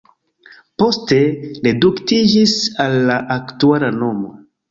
Poste reduktiĝis al la aktuala nomo.